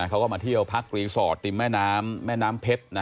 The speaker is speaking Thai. เขาก็มาเที่ยวพักรีสอร์ทริมแม่น้ำแม่น้ำเพชร